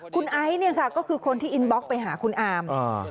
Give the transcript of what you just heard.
คุณไอซ์เนี่ยค่ะก็คือคนที่อินบล็อกไปหาคุณอาม